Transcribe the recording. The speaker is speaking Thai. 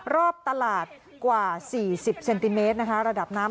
รอบตลาดกว่า๔๐เซนติเมตรนะคะระดับน้ำ